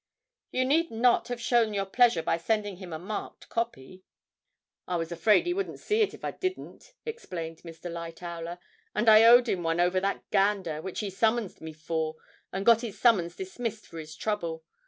'You need not have shown your pleasure by sending him a marked copy.' 'I was afraid he wouldn't see it if I didn't,' explained Mr. Lightowler, 'and I owed him one over that gander, which he summonsed me for, and got his summons dismissed for his trouble.